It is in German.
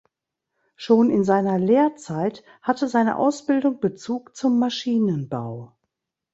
Schon in seiner Lehrzeit hatte seine Ausbildung Bezug zum Maschinenbau.